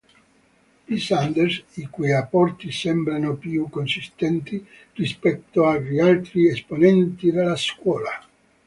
P. Sanders, i cui apporti sembrano più consistenti, rispetto agli altri esponenti della scuola.